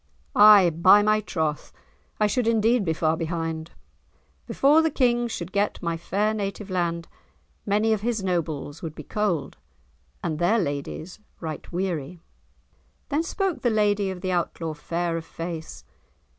"Ay, by my troth! I should indeed be far behind. Before the King should get my fair native land, many of his nobles would be cold, and their ladies right weary." Then spoke the lady of the Outlaw, fair of face.